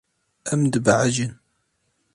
Em dibehecin.